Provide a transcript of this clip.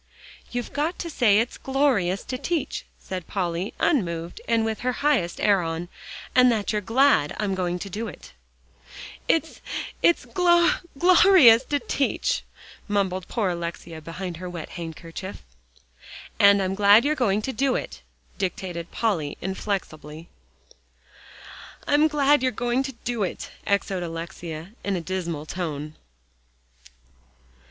"You've got to say it's glorious to teach," said Polly, unmoved, and with her highest air on, "and that you're glad I'm going to do it." "It's glo glorious to teach," mumbled poor Alexia behind her wet handkerchief. "And I'm glad you're going to do it," dictated Polly inflexibly. "I'm glad you're going to do it," echoed Alexia in a dismal tone.